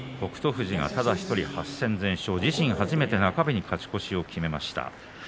富士がただ１人、８戦全勝自身初めて中日に勝ち越しを決めました。